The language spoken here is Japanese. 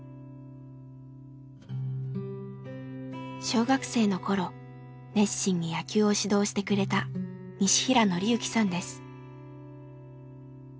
小学生の頃熱心に野球を指導してくれた西平憲行さんです。